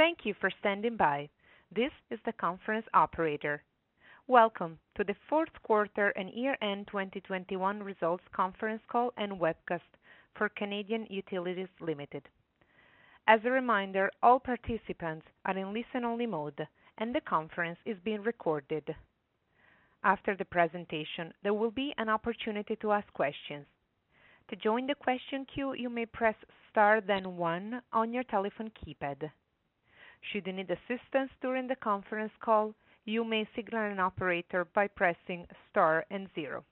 Thank you for standing by. This is the conference operator. Welcome to the fourth quarter and year-end 2021 results conference call and webcast for Canadian Utilities Limited. As a reminder, all participants are in listen-only mode, and the conference is being recorded. After the presentation, there will be an opportunity to ask questions. To join the question queue you may press star then one on your telephone keypad. Should you need assistance during the conference call, you may signal an operator by pressing star and zero.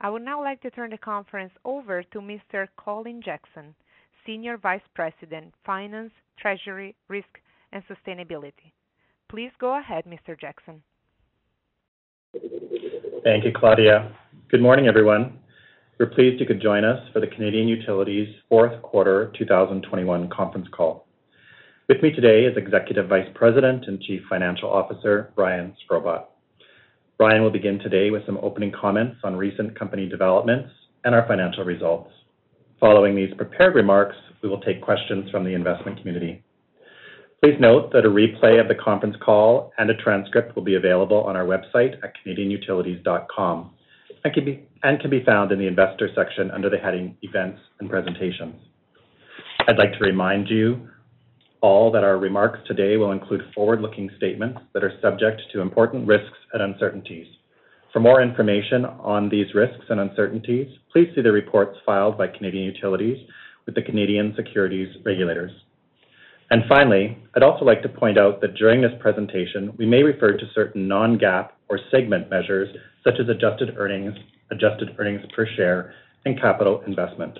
I would now like to turn the conference over to Mr. Colin Jackson, Senior Vice President, Finance, Treasury, Risk and Sustainability. Please go ahead, Mr. Jackson. Thank you, Claudia. Good morning, everyone. We're pleased you could join us for the Canadian Utilities fourth quarter 2021 conference call. With me today is Executive Vice President and Chief Financial Officer Brian Shkrobot. Brian will begin today with some opening comments on recent company developments and our financial results. Following these prepared remarks, we will take questions from the investment community. Please note that a replay of the conference call and a transcript will be available on our website at canadianutilities.com and can be found in the investor section under the heading Events and Presentations. I'd like to remind you all that our remarks today will include forward-looking statements that are subject to important risks and uncertainties. For more information on these risks and uncertainties, please see the reports filed by Canadian Utilities with the Canadian Securities Regulators. Finally, I'd also like to point out that during this presentation, we may refer to certain non-GAAP or segment measures such as adjusted earnings, adjusted earnings per share, and capital investment.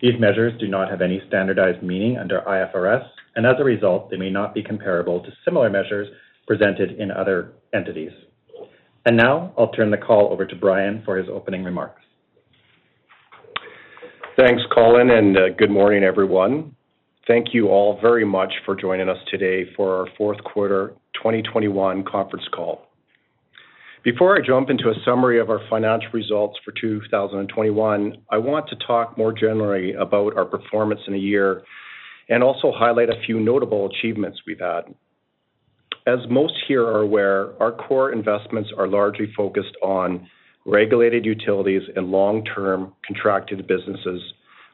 These measures do not have any standardized meaning under IFRS, and as a result, they may not be comparable to similar measures presented in other entities. Now I'll turn the call over to Brian for his opening remarks. Thanks, Colin, and good morning, everyone. Thank you all very much for joining us today for our fourth-quarter 2021 conference call. Before I jump into a summary of our financial results for 2021, I want to talk more generally about our performance in a year and also highlight a few notable achievements we've had. As most here are aware, our core investments are largely focused on regulated utilities and long-term contracted businesses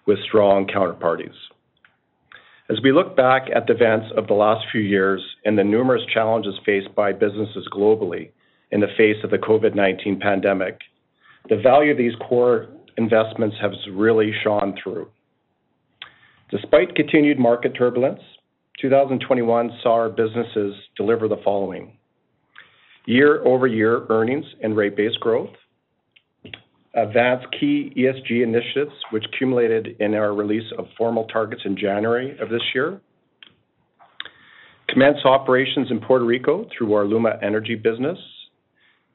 with strong counterparties. As we look back at the events of the last few years and the numerous challenges faced by businesses globally in the face of the COVID-19 pandemic, the value of these core investments has really shone through. Despite continued market turbulence, 2021 saw our businesses deliver the following. Year-over-year earnings and rate base growth. Advance key ESG initiatives, which culminated in our release of formal targets in January of this year. Commence operations in Puerto Rico through our LUMA Energy business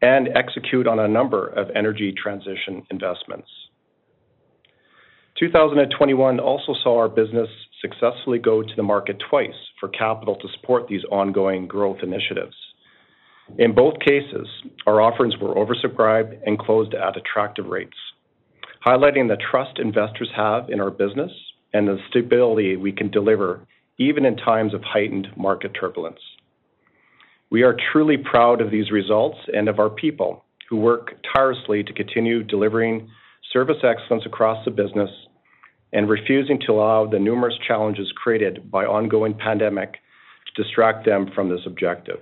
and execute on a number of energy transition investments. 2021 also saw our business successfully go to the market twice for capital to support these ongoing growth initiatives. In both cases, our offerings were oversubscribed and closed at attractive rates, highlighting the trust investors have in our business and the stability we can deliver even in times of heightened market turbulence. We are truly proud of these results and of our people, who work tirelessly to continue delivering service excellence across the business and refusing to allow the numerous challenges created by ongoing pandemic to distract them from this objective.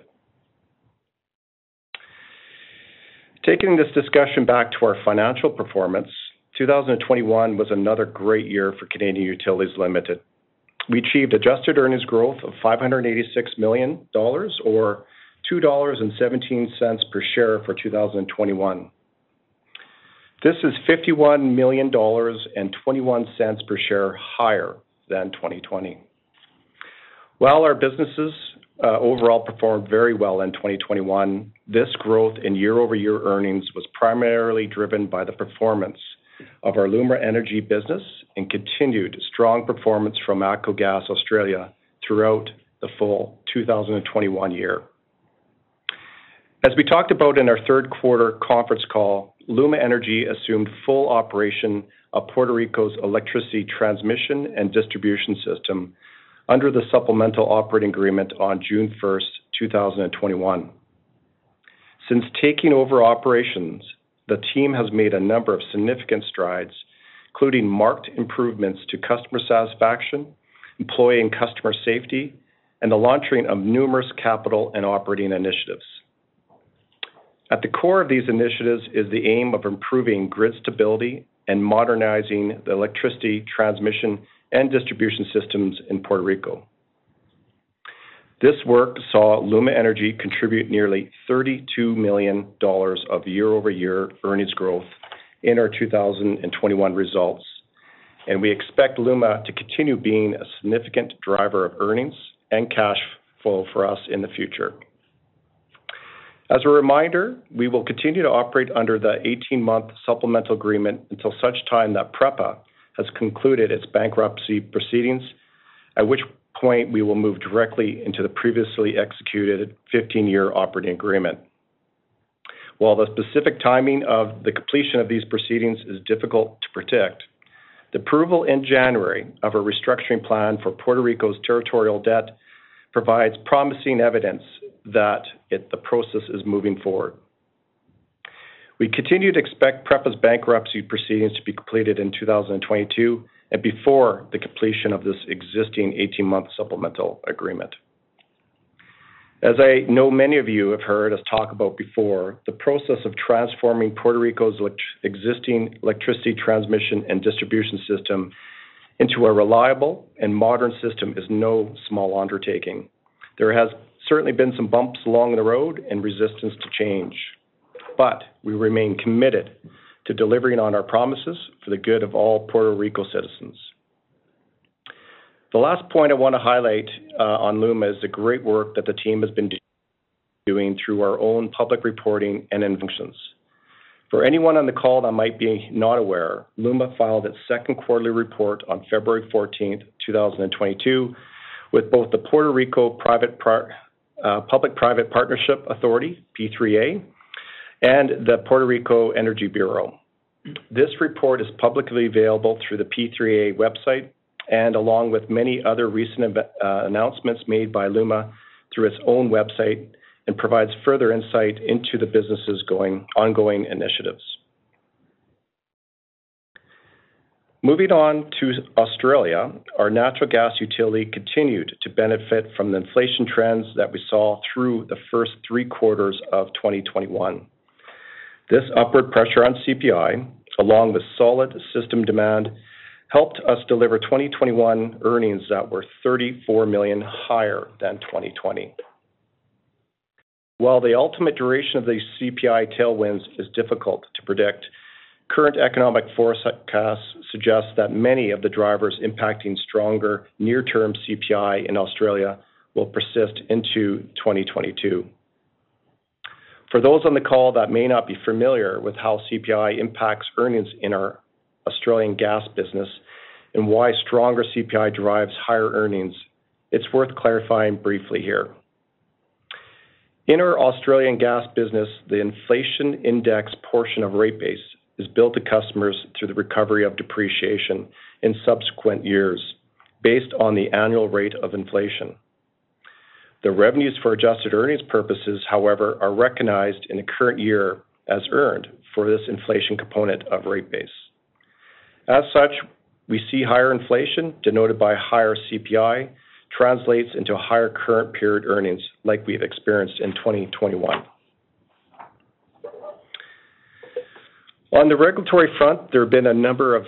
Taking this discussion back to our financial performance, 2021 was another great year for Canadian Utilities Limited. We achieved adjusted earnings growth of 586 million dollars or 2.17 dollars per share for 2021. This is 51 million dollars and 0.21 per share higher than 2020. While our businesses overall performed very well in 2021, this growth in year-over-year earnings was primarily driven by the performance of our LUMA Energy business and continued strong performance from ATCO Australia throughout the full 2021 year. As we talked about in our third-quarter conference call, LUMA Energy assumed full operation of Puerto Rico's electricity transmission and distribution system under the Supplemental Agreement on June 1st, 2021. Since taking over operations, the team has made a number of significant strides, including marked improvements to customer satisfaction, employee and customer safety, and the launching of numerous capital and operating initiatives. At the core of these initiatives is the aim of improving grid stability and modernizing the electricity transmission and distribution systems in Puerto Rico. This work saw LUMA Energy contribute nearly $32 million of year-over-year earnings growth in our 2021 results, and we expect LUMA to continue being a significant driver of earnings and cash flow for us in the future. As a reminder, we will continue to operate under the 18-month Supplemental Agreement until such time that PREPA has concluded its bankruptcy proceedings, at which point we will move directly into the previously executed 15-year operating agreement. While the specific timing of the completion of these proceedings is difficult to predict, the approval in January of a restructuring plan for Puerto Rico's territorial debt provides promising evidence that the process is moving forward. We continue to expect PREPA's bankruptcy proceedings to be completed in 2022 and before the completion of this existing 18-month supplemental agreement. As I know many of you have heard us talk about before, the process of transforming Puerto Rico's existing electricity transmission and distribution system into a reliable and modern system is no small undertaking. There has certainly been some bumps along the road and resistance to change. We remain committed to delivering on our promises for the good of all Puerto Rico citizens. The last point I want to highlight on LUMA is the great work that the team has been doing through our own public reporting and initiatives. For anyone on the call that might not be aware, LUMA filed its second quarterly report on February 14th, 2022, with both the Puerto Rico Public-Private Partnerships Authority, P3A, and the Puerto Rico Energy Bureau. This report is publicly available through the P3A website and along with many other recent announcements made by LUMA through its own website and provides further insight into the businesses ongoing initiatives. Moving on to Australia, our natural gas utility continued to benefit from the inflation trends that we saw through the first three quarters of 2021. This upward pressure on CPI, along with solid system demand, helped us deliver 2021 earnings that were 34 million higher than 2020. While the ultimate duration of the CPI tailwinds is difficult to predict, current economic forecasts suggest that many of the drivers impacting stronger near-term CPI in Australia will persist into 2022. For those on the call that may not be familiar with how CPI impacts earnings in our Australian gas business and why stronger CPI drives higher earnings, it's worth clarifying briefly here. In our Australian gas business, the inflation index portion of rate base is billed to customers through the recovery of depreciation in subsequent years based on the annual rate of inflation. The revenues for adjusted earnings purposes, however, are recognized in the current year as earned for this inflation component of rate base. As such, we see higher inflation denoted by higher CPI translates into higher current period earnings like we've experienced in 2021. On the regulatory front, there have been a number of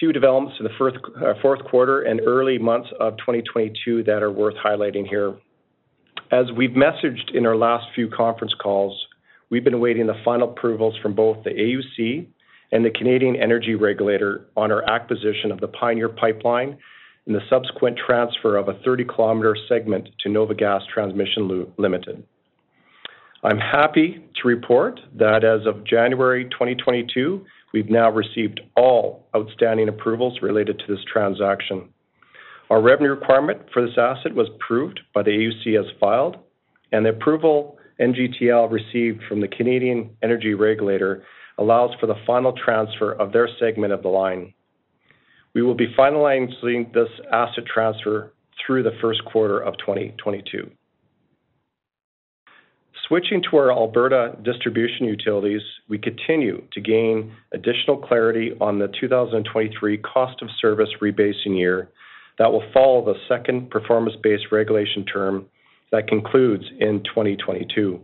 new developments in the fourth quarter and early months of 2022 that are worth highlighting here. As we've messaged in our last few conference calls, we've been awaiting the final approvals from both the AUC and the Canadian Energy Regulator on our acquisition of the Pioneer Pipeline and the subsequent transfer of a 30-km segment to NOVA Gas Transmission Ltd. I'm happy to report that as of January 2022, we've now received all outstanding approvals related to this transaction. Our revenue requirement for this asset was approved by the AUC as filed, and the approval NGTL received from the Canadian Energy Regulator allows for the final transfer of their segment of the line. We will be finalizing this asset transfer through the first quarter of 2022. Switching to our Alberta distribution utilities, we continue to gain additional clarity on the 2023 cost of service rebasing year that will follow the second performance-based regulation term that concludes in 2022.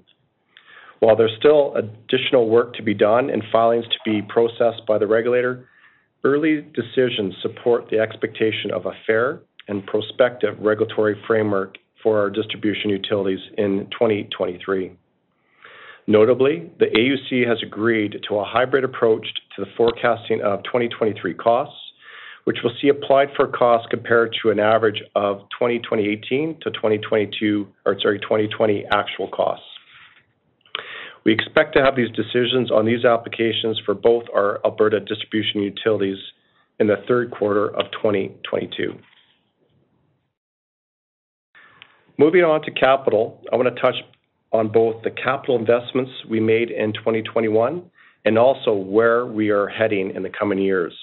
While there's still additional work to be done and filings to be processed by the regulator, early decisions support the expectation of a fair and prospective regulatory framework for our distribution utilities in 2023. Notably, the AUC has agreed to a hybrid approach to the forecasting of 2023 costs, which we'll see applied for costs compared to 2020 actual costs. We expect to have these decisions on these applications for both our Alberta distribution utilities in the third quarter of 2022. Moving on to capital, I want to touch on both the capital investments we made in 2021 and also where we are heading in the coming years.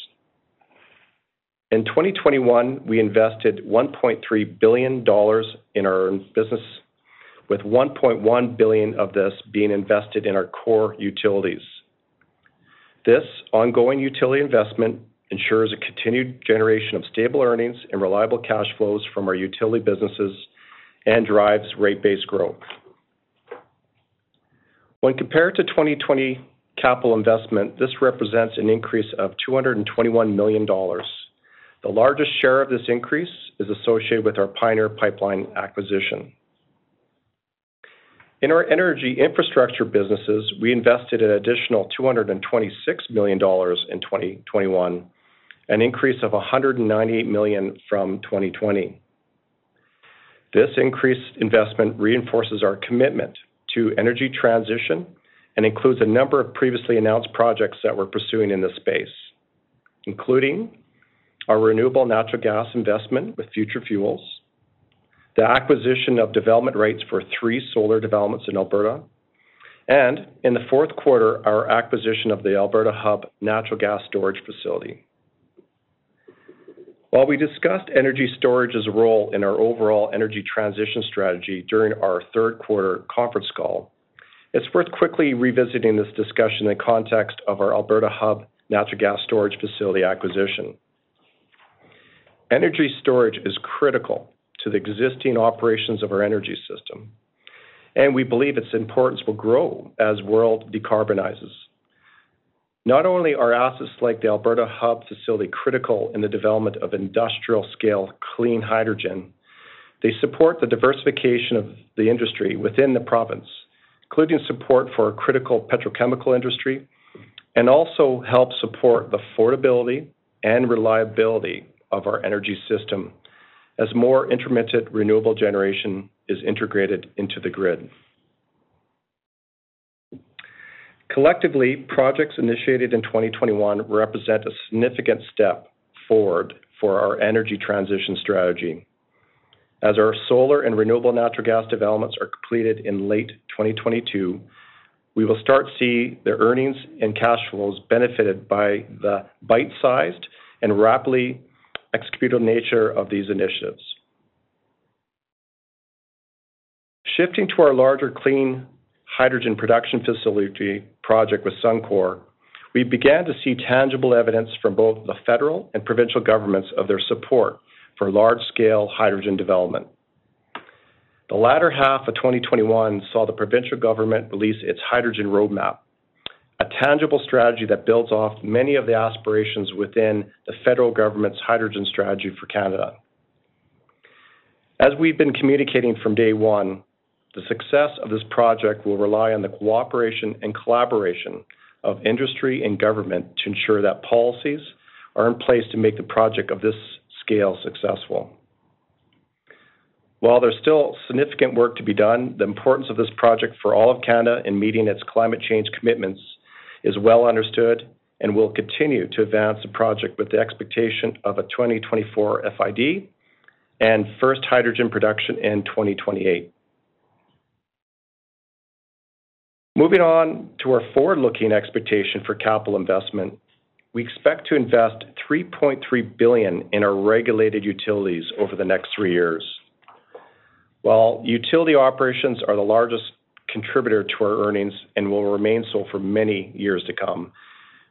In 2021, we invested 1.3 billion dollars in our business, with 1.1 billion of this being invested in our core utilities. This ongoing utility investment ensures a continued generation of stable earnings and reliable cash flows from our utility businesses and drives rate-based growth. When compared to 2020 capital investment, this represents an increase of 221 million dollars. The largest share of this increase is associated with our Pioneer Pipeline acquisition. In our energy infrastructure businesses, we invested an additional 226 million dollars in 2021, an increase of 198 million from 2020. This increased investment reinforces our commitment to energy transition and includes a number of previously announced projects that we're pursuing in this space, including our renewable natural gas investment with Future Fuel, the acquisition of development rights for three solar developments in Alberta. In the fourth quarter, our acquisition of the Alberta Hub natural gas storage facility. While we discussed energy storage's role in our overall energy transition strategy during our third quarter conference call, it's worth quickly revisiting this discussion in context of our Alberta Hub natural gas storage facility acquisition. Energy storage is critical to the existing operations of our energy system, and we believe its importance will grow as world decarbonizes. Not only are assets like the Alberta Hub facility critical in the development of industrial-scale clean hydrogen, they support the diversification of the industry within the province, including support for a critical petrochemical industry and also help support the affordability and reliability of our energy system as more intermittent renewable generation is integrated into the grid. Collectively, projects initiated in 2021 represent a significant step forward for our energy transition strategy. As our solar and renewable natural gas developments are completed in late 2022, we will start to see their earnings and cash flows benefited by the bite-sized and rapidly executed nature of these initiatives. Shifting to our larger clean hydrogen production facility project with Suncor, we began to see tangible evidence from both the federal and provincial governments of their support for large-scale hydrogen development. The latter half of 2021 saw the provincial government release its Hydrogen Roadmap, a tangible strategy that builds off many of the aspirations within the federal government's Hydrogen Strategy for Canada. As we've been communicating from day one, the success of this project will rely on the cooperation and collaboration of industry and government to ensure that policies are in place to make the project of this scale successful. While there's still significant work to be done, the importance of this project for all of Canada in meeting its climate change commitments is well understood and will continue to advance the project with the expectation of a 2024 FID and first hydrogen production in 2028. Moving on to our forward-looking expectation for capital investment, we expect to invest 3.3 billion in our regulated utilities over the next three years. While utility operations are the largest contributor to our earnings and will remain so for many years to come,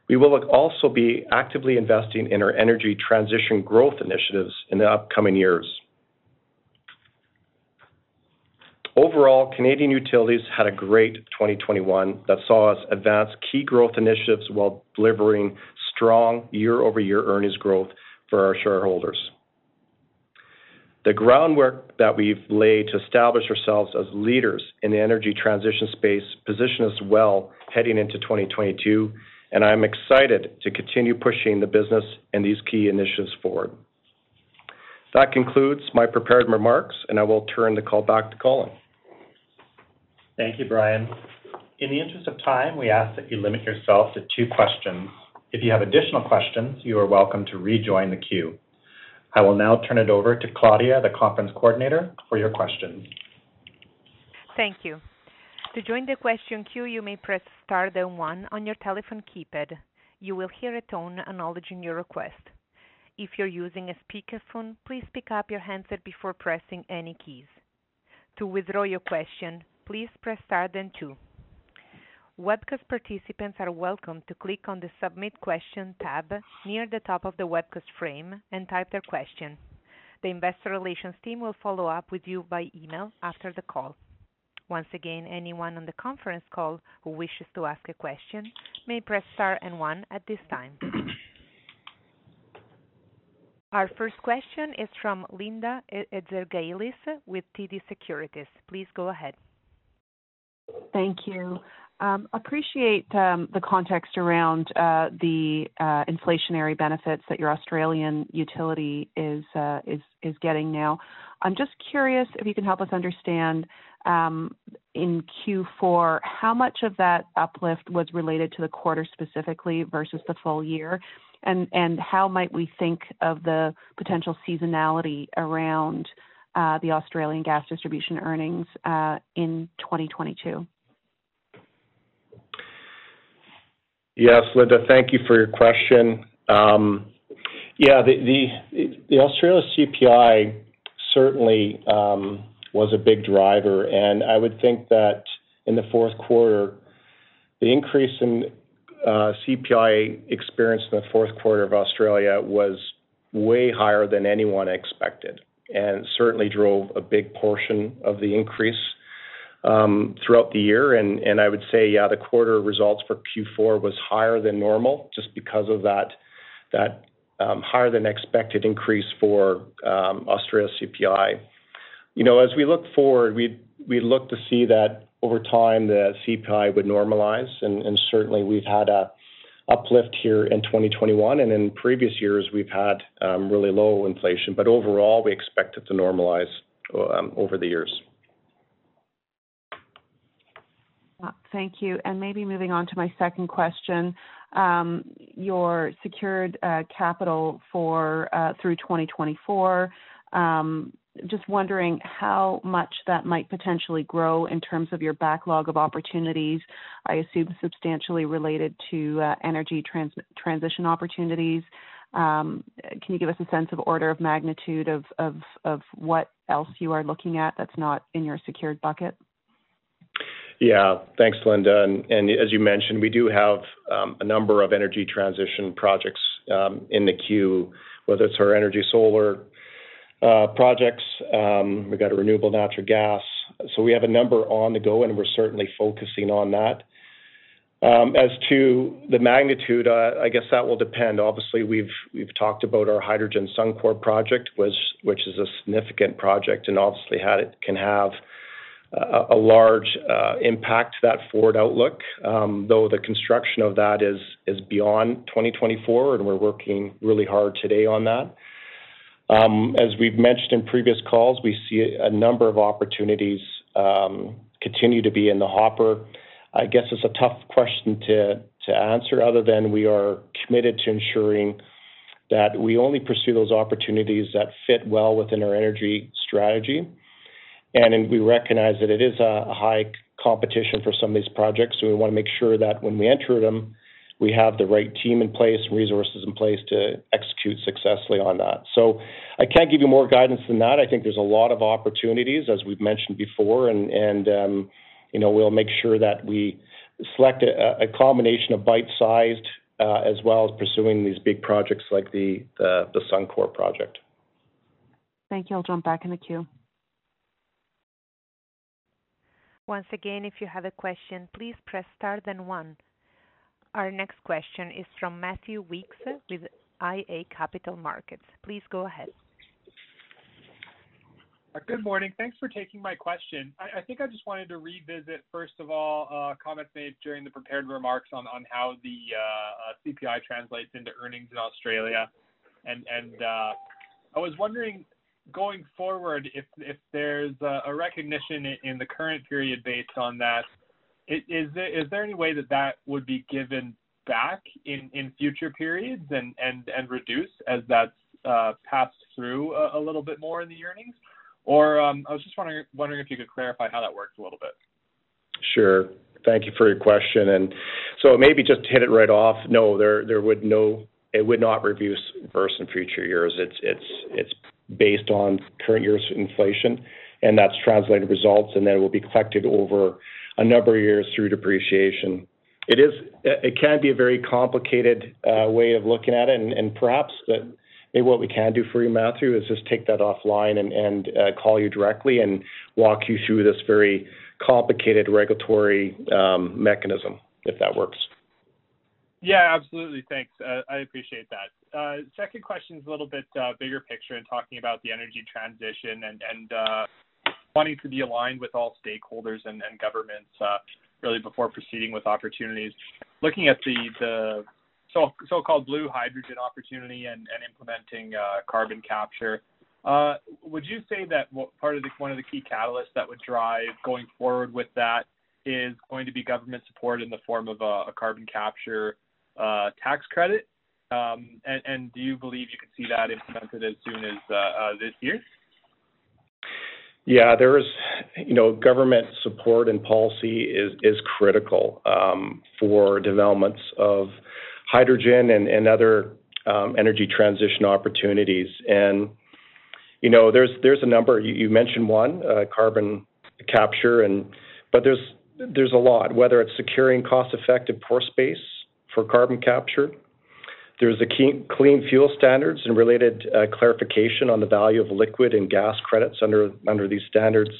we will also be actively investing in our energy transition growth initiatives in the upcoming years. Overall, Canadian Utilities had a great 2021 that saw us advance key growth initiatives while delivering strong year-over-year earnings growth for our shareholders. The groundwork that we've laid to establish ourselves as leaders in the energy transition space position us well heading into 2022, and I'm excited to continue pushing the business and these key initiatives forward. That concludes my prepared remarks, and I will turn the call back to Colin. Thank you, Brian. In the interest of time, we ask that you limit yourself to two questions. If you have additional questions, you are welcome to rejoin the queue. I will now turn it over to Claudia, the conference coordinator, for your questions. Thank you. To join the question queue, you may press star then one on your telephone keypad. You will hear a tone acknowledging your request. If you're using a speakerphone, please pick up your handset before pressing any keys. To withdraw your question, please press star then two. Webcast participants are welcome to click on the Submit Question tab near the top of the webcast frame and type their question. The investor relations team will follow up with you by email after the call. Once again, anyone on the conference call who wishes to ask a question may press star and one at this time. Our first question is from Linda Ezergailis with TD Securities. Please go ahead. Thank you. I appreciate the context around the inflationary benefits that your Australian utility is getting now. I'm just curious if you can help us understand in Q4 how much of that uplift was related to the quarter specifically versus the full year? How might we think of the potential seasonality around the Australian gas distribution earnings in 2022? Yes, Linda, thank you for your question. Yeah, the Australia CPI certainly was a big driver, and I would think that in the fourth quarter, the increase in CPI experienced in the fourth quarter of Australia was way higher than anyone expected and certainly drove a big portion of the increase throughout the year. I would say, yeah, the quarter results for Q4 was higher than normal just because of that higher than expected increase for Australia CPI. You know, as we look forward, we look to see that over time, the CPI would normalize and certainly we've had a uplift here in 2021. In previous years, we've had really low inflation, but overall, we expect it to normalize over the years. Thank you. Maybe moving on to my second question. Your secured capital for through 2024, just wondering how much that might potentially grow in terms of your backlog of opportunities, I assume substantially related to energy transition opportunities. Can you give us a sense of order of magnitude of what else you are looking at that's not in your secured bucket? Yeah. Thanks, Linda. As you mentioned, we do have a number of energy transition projects in the queue, whether it's our energy solar projects, we've got a renewable natural gas. We have a number on the go, and we're certainly focusing on that. As to the magnitude, I guess that will depend. Obviously, we've talked about our Hydrogen Suncor project, which is a significant project and obviously it can have a large impact to that forward outlook, though the construction of that is beyond 2024, and we're working really hard today on that. As we've mentioned in previous calls, we see a number of opportunities continue to be in the hopper. I guess it's a tough question to answer other than we are committed to ensuring that we only pursue those opportunities that fit well within our energy strategy. We recognize that it is a high competition for some of these projects, so we wanna make sure that when we enter them, we have the right team in place, resources in place to execute successfully on that. I can't give you more guidance than that. I think there's a lot of opportunities, as we've mentioned before, you know, we'll make sure that we select a combination of bite-sized, as well as pursuing these big projects like the Suncor project. Thank you. I'll jump back in the queue. Once again, if you have a question, please press star then one. Our next question is from Matthew Weekes with iA Capital Markets. Please go ahead. Good morning. Thanks for taking my question. I think I just wanted to revisit, first of all, comments made during the prepared remarks on how the CPI translates into earnings in Australia. I was wondering, going forward, if there's a recognition in the current period based on that, is there any way that would be given back in future periods and reduced as that passed through a little bit more in the earnings? Or, I was just wondering if you could clarify how that works a little bit. Sure. Thank you for your question. Maybe just to hit it right off, no, it would not reverse in future years. It's based on current year's inflation, and that's translated results, and then it will be collected over a number of years through depreciation. It can be a very complicated way of looking at it. Perhaps what we can do for you, Matthew, is just take that offline and call you directly and walk you through this very complicated regulatory mechanism, if that works. Yeah, absolutely. Thanks. I appreciate that. Second question is a little bit bigger picture in talking about the energy transition and wanting to be aligned with all stakeholders and governments really before proceeding with opportunities. Looking at the so-called blue hydrogen opportunity and implementing carbon capture, would you say that one of the key catalysts that would drive going forward with that is going to be government support in the form of a carbon capture tax credit? Do you believe you can see that implemented as soon as this year? Yeah. You know, government support and policy is critical for developments of hydrogen and other energy transition opportunities. You know, there's a number. You mentioned one, carbon capture. But there's a lot, whether it's securing cost-effective pore space for carbon capture. There's the Clean Fuel Standard and related clarification on the value of liquid and gas credits under these standards.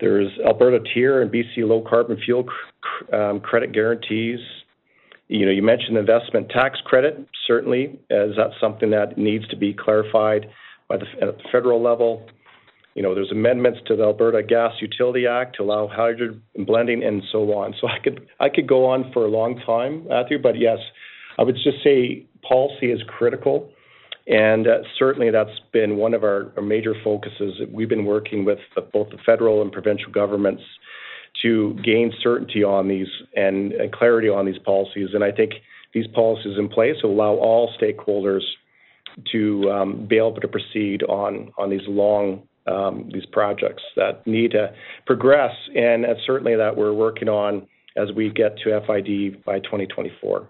There's Alberta TIER and BC Low Carbon Fuel Standard credit guarantees. You know, you mentioned investment tax credit, certainly, as that's something that needs to be clarified at the federal level. You know, there's amendments to the Gas Utilities Act to allow hydrogen blending and so on. I could go on for a long time, Matthew. Yes, I would just say policy is critical, and certainly that's been one of our major focuses. We've been working with both the federal and provincial governments to gain certainty on these and clarity on these policies. I think these policies in place will allow all stakeholders to be able to proceed on these projects that need to progress. Certainly that we're working on as we get to FID by 2024.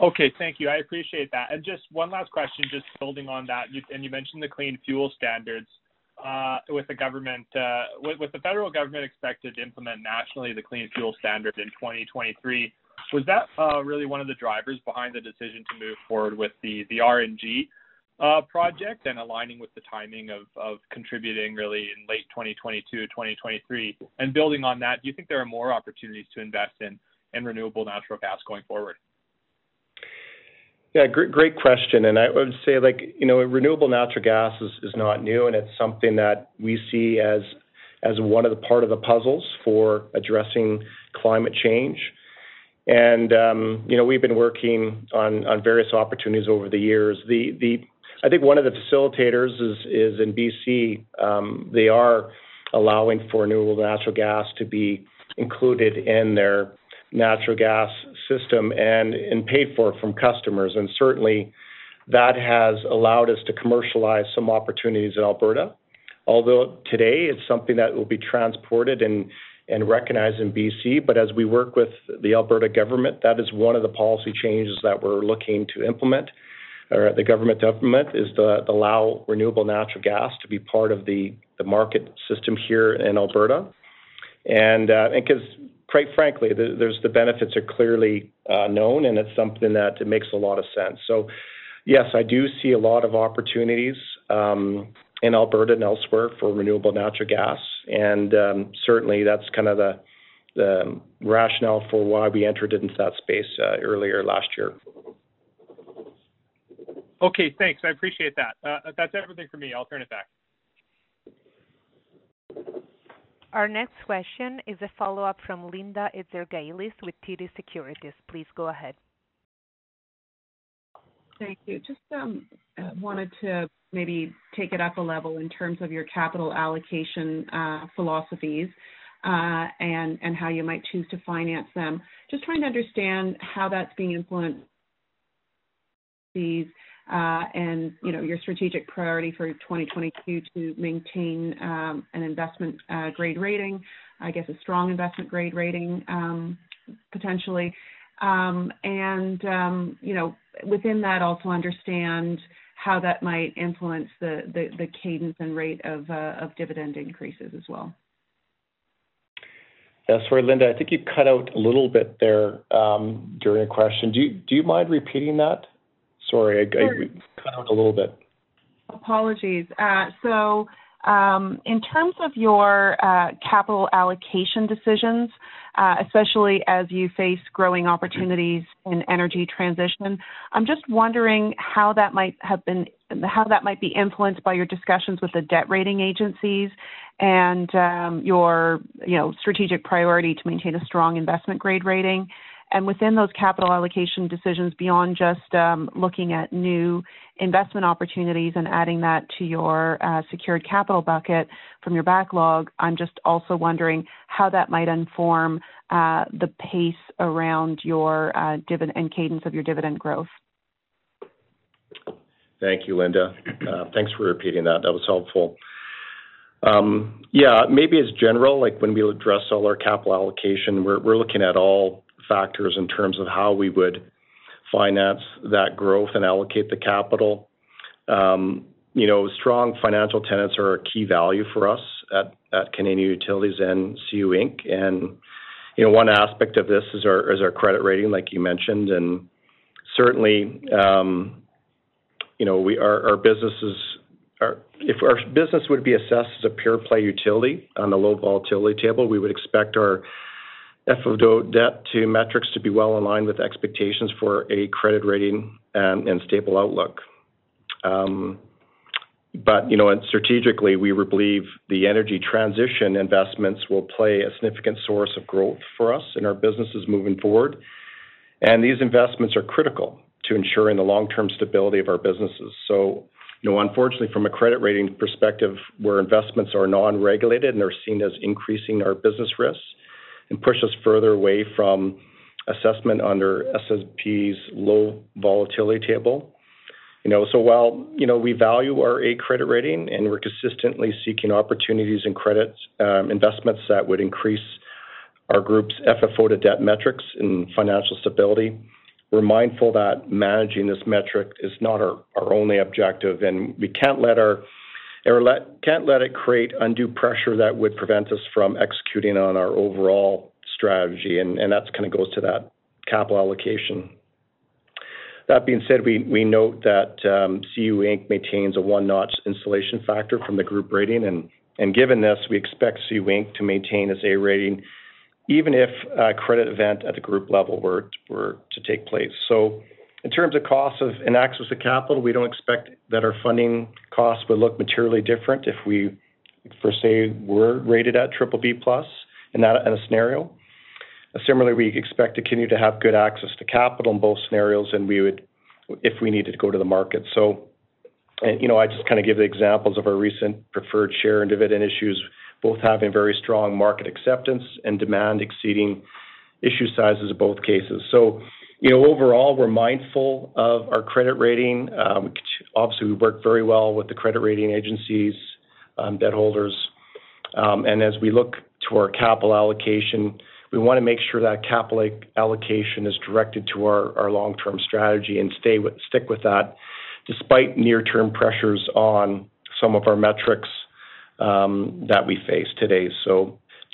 Okay, thank you. I appreciate that. Just one last question, just building on that. You mentioned the Clean Fuel Standard with the government. With the federal government expected to implement nationally the Clean Fuel Standard in 2023, was that really one of the drivers behind the decision to move forward with the RNG project and aligning with the timing of contributing really in late 2022, 2023? Building on that, do you think there are more opportunities to invest in renewable natural gas going forward? Yeah. Great question. I would say, like, you know, renewable natural gas is not new, and it's something that we see as one of the part of the puzzles for addressing climate change. You know, we've been working on various opportunities over the years. I think one of the facilitators is in BC. They are allowing for renewable natural gas to be included in their natural gas system and paid for from customers. Certainly that has allowed us to commercialize some opportunities in Alberta. Although today it's something that will be transported and recognized in BC. As we work with the Alberta government, that is one of the policy changes that we're looking to implement or the government to implement, is to allow renewable natural gas to be part of the market system here in Alberta. Because quite frankly, the benefits are clearly known, and it's something that makes a lot of sense. Yes, I do see a lot of opportunities in Alberta and elsewhere for renewable natural gas. Certainly that's kind of the rationale for why we entered into that space earlier last year. Okay, thanks. I appreciate that. That's everything for me. I'll turn it back. Our next question is a follow-up from Linda Ezergailis with TD Securities. Please go ahead. Thank you. Just wanted to maybe take it up a level in terms of your capital allocation philosophies, and how you might choose to finance them. Just trying to understand how that's being influenced, and you know, your strategic priority for 2022 to maintain an investment grade rating, I guess a strong investment grade rating, potentially. You know, within that, also understand how that might influence the cadence and rate of dividend increases as well. Yeah. Sorry, Linda, I think you cut out a little bit there, during your question. Do you mind repeating that? Sorry, I- Sure. Cut out a little bit. Apologies. In terms of your capital allocation decisions, especially as you face growing opportunities in energy transition, I'm just wondering how that might be influenced by your discussions with the debt rating agencies and your strategic priority to maintain a strong investment grade rating. Within those capital allocation decisions, beyond just looking at new investment opportunities and adding that to your secured capital bucket from your backlog, I'm just also wondering how that might inform the pace around your dividend cadence of your dividend growth. Thank you, Linda. Thanks for repeating that. That was helpful. Yeah, maybe as general, like when we address all our capital allocation, we're looking at all factors in terms of how we would finance that growth and allocate the capital. You know, strong financial tenants are a key value for us at Canadian Utilities and CU Inc. You know, one aspect of this is our credit rating, like you mentioned. Certainly, you know, our businesses are. If our business would be assessed as a pure play utility on the low volatility table, we would expect our FFO to debt metrics to be well aligned with expectations for a credit rating and stable outlook. Strategically, we believe the energy transition investments will play a significant source of growth for us and our businesses moving forward. These investments are critical to ensuring the long-term stability of our businesses. You know, unfortunately, from a credit rating perspective, where investments are non-regulated and are seen as increasing our business risks and push us further away from assessment under S&P's low volatility table. You know, while, you know, we value our A credit rating and we're consistently seeking opportunities and credits, investments that would increase our group's FFO to debt metrics and financial stability, we're mindful that managing this metric is not our only objective, and we can't let it create undue pressure that would prevent us from executing on our overall strategy. That kind of goes to that capital allocation. That being said, we note that CU Inc. maintains a one-notch insulation factor from the group rating, and given this, we expect CU Inc. to maintain its A rating even if a credit event at the group level were to take place. In terms of cost of and access to capital, we don't expect that our funding costs would look materially different if we, for say, were rated at BBB+ in a scenario. Similarly, we expect to continue to have good access to capital in both scenarios, and we would if we needed to go to the market. You know, I just kind of give the examples of our recent preferred share and dividend issues, both having very strong market acceptance and demand exceeding issue sizes in both cases. You know, overall, we're mindful of our credit rating. Obviously, we work very well with the credit rating agencies, debt holders. As we look to our capital allocation, we wanna make sure that capital allocation is directed to our long-term strategy and stick with that despite near-term pressures on some of our metrics that we face today.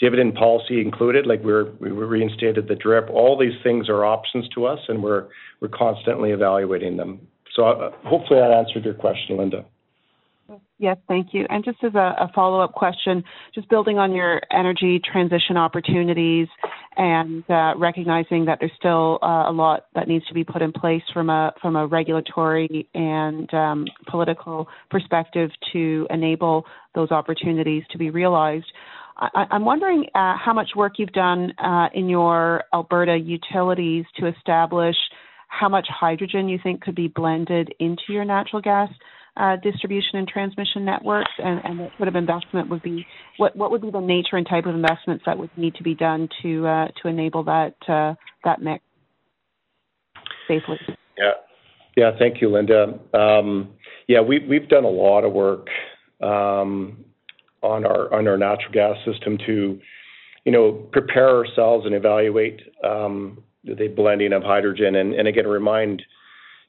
Dividend policy included, like, we reinstated the DRIP. All these things are options to us, and we're constantly evaluating them. Hopefully, that answered your question, Linda. Yes, thank you. Just as a follow-up question, just building on your energy transition opportunities and recognizing that there's still a lot that needs to be put in place from a regulatory and political perspective to enable those opportunities to be realized. I'm wondering how much work you've done in your Alberta utilities to establish how much hydrogen you think could be blended into your natural gas distribution and transmission networks? What would be the nature and type of investments that would need to be done to enable that mix safely? Yeah. Thank you, Linda. Yeah, we've done a lot of work on our natural gas system to, you know, prepare ourselves and evaluate the blending of hydrogen. Again, remind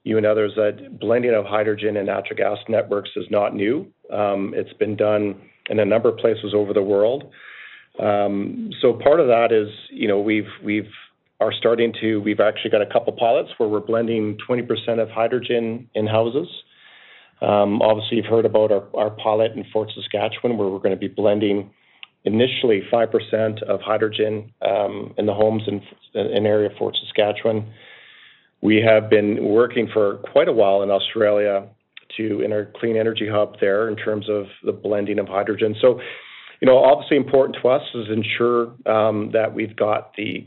you and others that blending of hydrogen and natural gas networks is not new. It's been done in a number of places over the world. So part of that is, you know, we've actually got a couple pilots where we're blending 20% of hydrogen in houses. Obviously you've heard about our pilot in Fort Saskatchewan, where we're gonna be blending initially 5% of hydrogen in the homes in the Fort Saskatchewan area. We have been working for quite a while in Australia to, in our clean energy hub there, in terms of the blending of hydrogen. You know, obviously important to us is to ensure that we've got the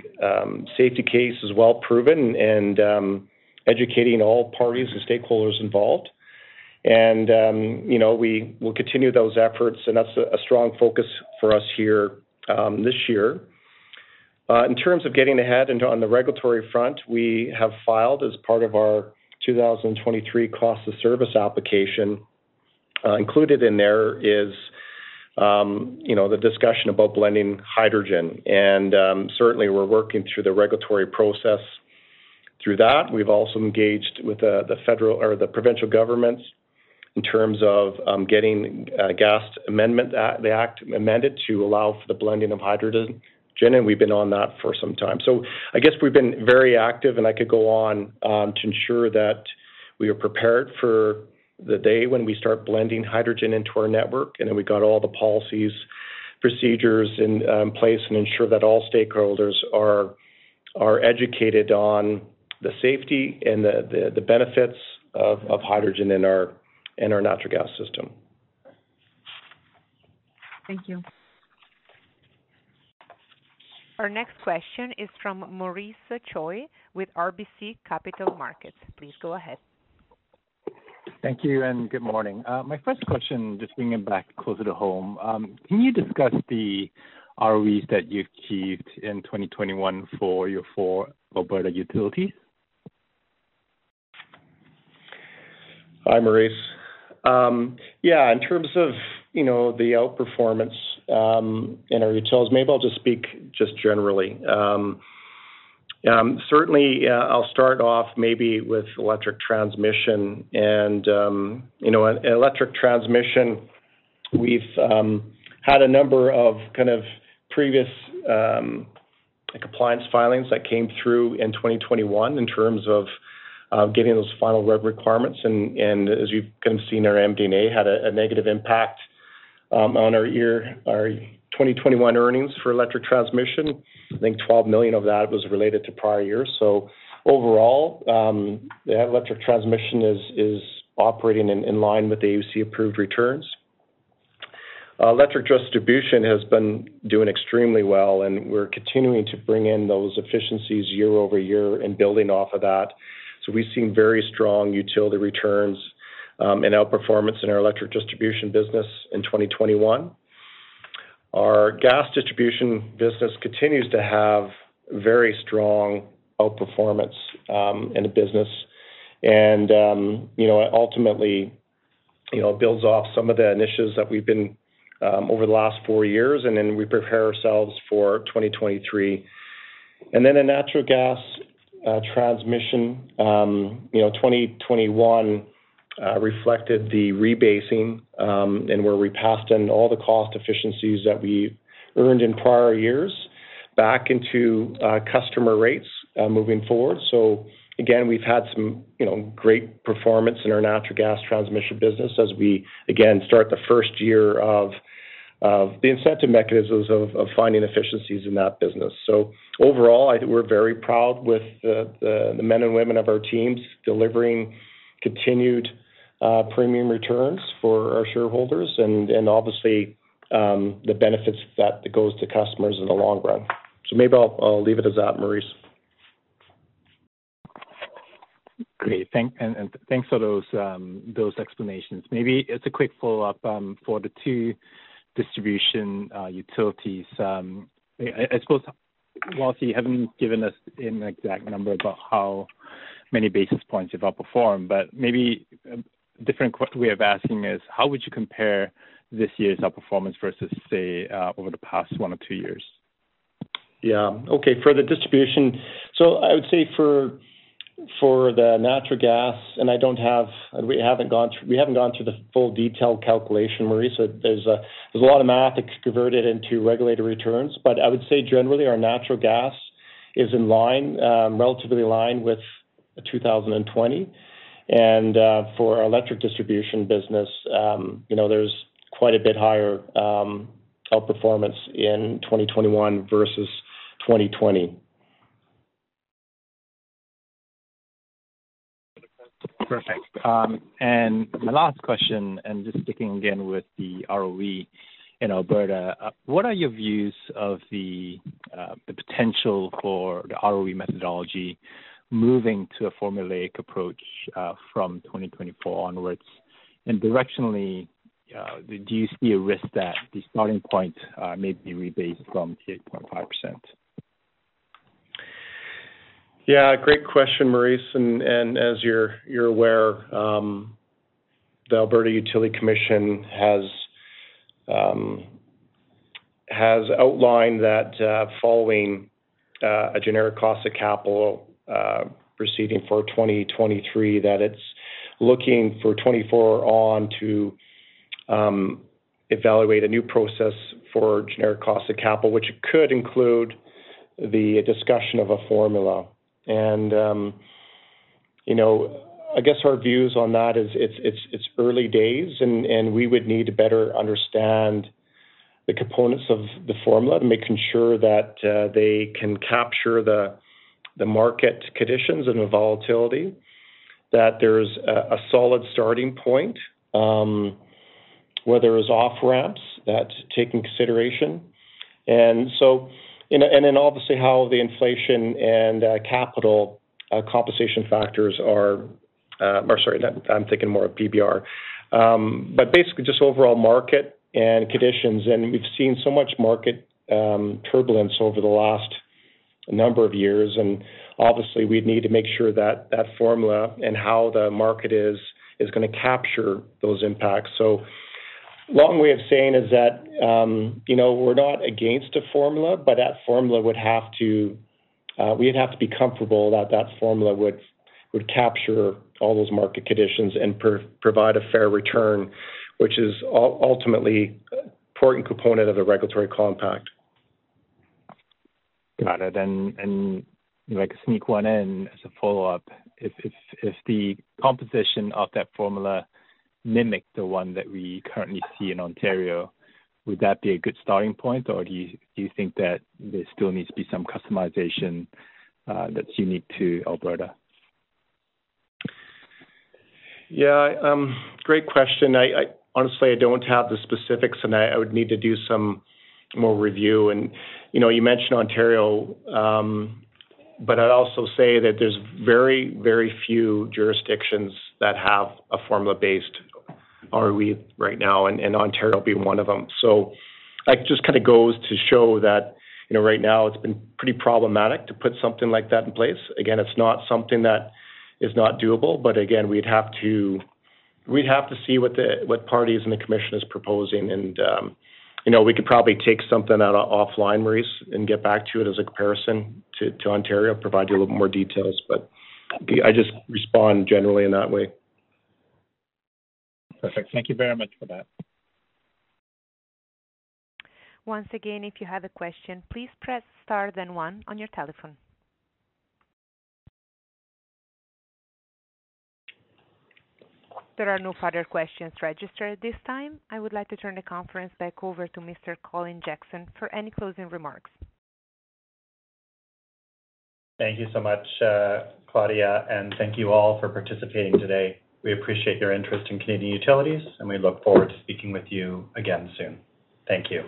safety case well proven and educating all parties and stakeholders involved. You know, we will continue those efforts, and that's a strong focus for us here this year. In terms of getting ahead and on the regulatory front, we have filed as part of our 2023 cost of service application. Included in there is you know the discussion about blending hydrogen and certainly we're working through the regulatory process through that. We've also engaged with the federal or the provincial governments in terms of getting the Gas Utilities Act amended to allow for the blending of hydrogen, and we've been on that for some time. I guess we've been very active, and I could go on to ensure that we are prepared for the day when we start blending hydrogen into our network, and then we've got all the policies, procedures in place and ensure that all stakeholders are educated on the safety and the benefits of hydrogen in our natural gas system. Thank you. Our next question is from Maurice Choy with RBC Capital Markets. Please go ahead. Thank you and good morning. My first question, just bringing it back closer to home, can you discuss the ROEs that you achieved in 2021 for your four Alberta utilities? Hi, Maurice. Yeah, in terms of, you know, the outperformance in our utilities, maybe I'll just speak generally. Certainly, I'll start off maybe with electric transmission and, you know, electric transmission, we've had a number of kind of previous, like compliance filings that came through in 2021 in terms of, getting those final reg requirements. And as you've kind of seen, our MD&A had a negative impact on our 2021 earnings for electric transmission. I think 12 million of that was related to prior years. Overall, the electric transmission is operating in line with the AUC-approved returns. Electric distribution has been doing extremely well, and we're continuing to bring in those efficiencies year-over-year and building off of that. We've seen very strong utility returns and outperformance in our electric distribution business in 2021. Our gas distribution business continues to have very strong outperformance in the business and, you know, ultimately, you know, builds off some of the initiatives that we've been over the last four years, and then we prepare ourselves for 2023. In natural gas transmission, you know, 2021 reflected the rebasing and where we passed in all the cost efficiencies that we earned in prior years back into customer rates moving forward. We've had some, you know, great performance in our natural gas transmission business as we again start the first year of the incentive mechanisms of finding efficiencies in that business. Overall, I think we're very proud with the men and women of our teams delivering continued premium returns for our shareholders and obviously the benefits that goes to customers in the long run. Maybe I'll leave it as that, Maurice. Great. Thanks for those explanations. Maybe as a quick follow-up, for the two distribution utilities, I suppose while you haven't given us an exact number about how many basis points you've outperformed, but maybe a different way of asking is, how would you compare this year's outperformance versus, say, over the past one or two years? Yeah. Okay. For the distribution. I would say for the natural gas. We haven't gone through the full detailed calculation, Maurice. There's a lot of math converted into regulatory returns. I would say generally our natural gas is in line, relatively in line with 2020. For our electric distribution business, you know, there's quite a bit higher outperformance in 2021 versus 2020. Perfect. My last question, just sticking again with the ROE in Alberta, what are your views of the potential for the ROE methodology moving to a formulaic approach from 2024 onwards? Directionally, do you see a risk that the starting point may be rebased from the 8.5%? Yeah. Great question, Maurice. As you're aware, the Alberta Utilities Commission has outlined that following a generic cost of capital proceeding for 2023, that it's looking for 2024 on to evaluate a new process for generic cost of capital, which could include the discussion of a formula. I guess our views on that is it's early days and we would need to better understand the components of the formula, making sure that they can capture the market conditions and the volatility. That there's a solid starting point where there is off-ramps that take into consideration. Obviously how the inflation and capital compensation factors are. Or sorry, I'm thinking more of PBR. But basically just overall market and conditions. We've seen so much market turbulence over the last number of years. Obviously we'd need to make sure that that formula and how the market is gonna capture those impacts. Long way of saying is that, you know, we're not against a formula, but we'd have to be comfortable that that formula would capture all those market conditions and provide a fair return, which is ultimately important component of the regulatory compact. Got it. If I could sneak one in as a follow-up. If the composition of that formula mimic the one that we currently see in Ontario, would that be a good starting point, or do you think that there still needs to be some customization that's unique to Alberta? Yeah. Great question. I honestly don't have the specifics and I would need to do some more review. You know, you mentioned Ontario, but I'd also say that there's very few jurisdictions that have a formula-based ROE right now, and Ontario being one of them. It just kind of goes to show that, you know, right now it's been pretty problematic to put something like that in place. Again, it's not something that is not doable, but again, we'd have to see what parties and the commission is proposing and, you know, we could probably take something out offline, Maurice, and get back to you as a comparison to Ontario, provide you a little more details. I just respond generally in that way. Perfect. Thank you very much for that. Once again, if you have a question, please press star then one on your telephone. There are no further questions registered at this time. I would like to turn the conference back over to Mr. Colin Jackson for any closing remarks. Thank you so much, Claudia, and thank you all for participating today. We appreciate your interest in Canadian Utilities, and we look forward to speaking with you again soon. Thank you.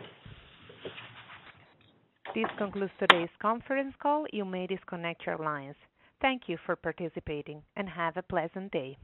This concludes today's conference call. You may disconnect your lines. Thank you for participating and have a pleasant day.